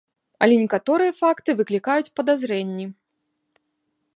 Але некаторыя факты выклікаюць падазрэнні.